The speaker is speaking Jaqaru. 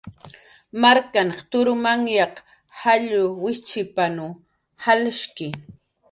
Marknhan turmanyaq jall wijchipanrw jalshki.